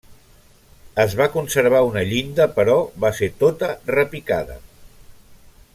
Es va conservar una llinda però va ser tota repicada.